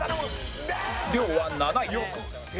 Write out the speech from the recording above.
亮は７位